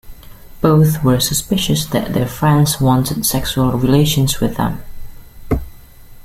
Both were suspicious that their friends wanted sexual relations with them.